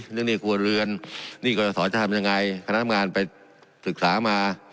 เรื่องนี้กลัวเรือนนี่ก็จะสอนจะทำยังไงคณะทำงานไปศึกษามา